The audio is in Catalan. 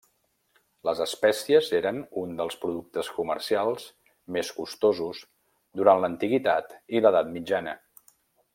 Les espècies eren un dels productes comercials més costosos durant l'Antiguitat i l'edat mitjana.